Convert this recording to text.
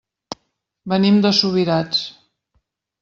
Venim de Subirats.